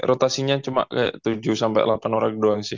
rotasinya cuma kayak tujuh sampai delapan orang doang sih